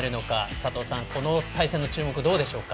佐藤さん、この対戦の注目どうでしょうか。